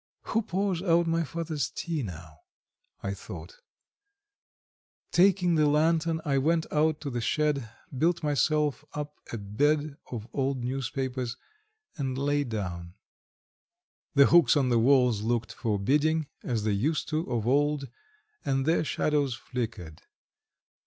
"Who pours out my father's tea now?" I thought. Taking the lantern I went out to the shed, built myself up a bed of old newspapers and lay down. The hooks on the walls looked forbidding, as they used to of old, and their shadows flickered.